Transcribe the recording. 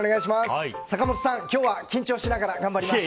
坂本さん、今日は緊張しながら頑張ります！